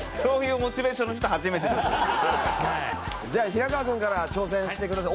じゃあ平川君から挑戦してください。